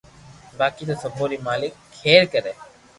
باقي تو سبو ري مالڪ کير ڪري